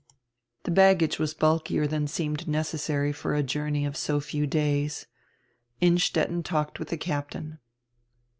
The baggage was bulkier than seemed necessary for a journey of so few days. Innstetten talked with die captain.